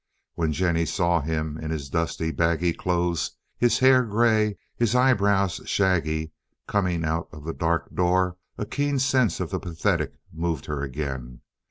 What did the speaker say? When Jennie saw him in his dusty, baggy clothes, his hair gray, his eye brows shaggy, coming out of the dark door, a keen sense of the pathetic moved her again.